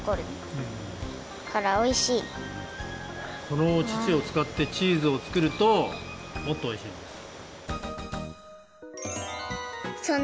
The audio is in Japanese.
このお乳をつかってチーズを作るともっとおいしいんです！